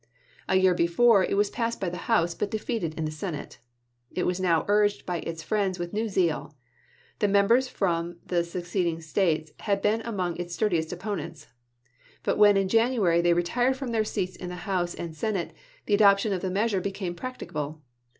A year before it was passed by the House, but defeated in the Senate. It was now urged by its friends with new zeal. The members from the seceding States had been among its sturdiest opponents ; but when in January they retired from their seats in the House and Senate, the adoption of the measure became practicable.